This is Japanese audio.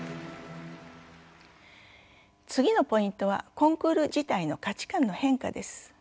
次のポイントはコンクール自体の価値観の変化です。